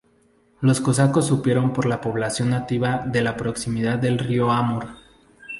Los cosacos supieron por la población nativa de la proximidad del río Amur.